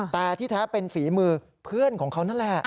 แต่ที่แท้เป็นฝีมือเพื่อนของเขานั่นแหละ